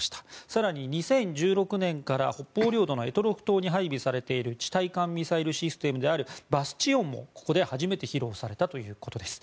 更に、２０１６年から北方領土の択捉島に配備されている地対艦ミサイルシステムであるバスチオンもここで初めて披露されたということです。